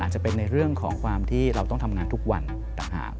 จะเป็นในเรื่องของความที่เราต้องทำงานทุกวันต่างหาก